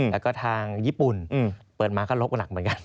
แล้วก็ทางญี่ปุ่นเปิดมาก็ลบไปหลักเหมือนกัน